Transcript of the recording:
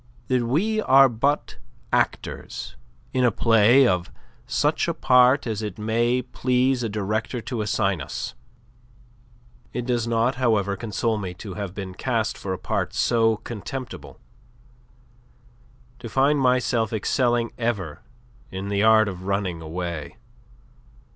that we are but actors in a play of such a part as it may please the Director to assign us. It does not, however, console me to have been cast for a part so contemptible, to find myself excelling ever in the art of running away.